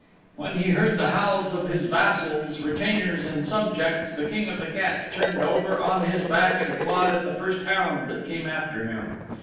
When he heard the howls of his vassals, retainers and subjects, the King of the Cats turned over on his back and clawed at the first hound that came after him.